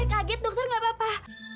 aduh saya kaget dokter gak apa apa